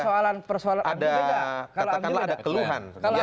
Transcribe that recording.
katakanlah ada keluhan